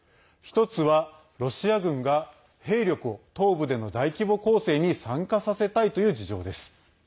１つは、ロシア軍が兵力を東部での大規模攻勢に参加させたいという事情です。